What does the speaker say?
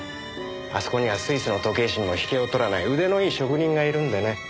あそこにはスイスの時計師にも引けを取らない腕のいい職人がいるんでね。